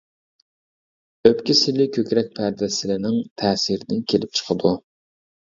ئۆپكە سىلى كۆكرەك پەردە سىلىنىڭ تەسىردىن كېلىپ چىقىدۇ.